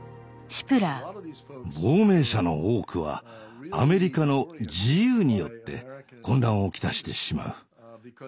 亡命者の多くはアメリカの自由によって混乱を来してしまう。